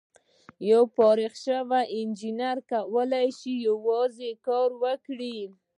یو فارغ شوی انجینر کولای شي یوازې کار وکړي.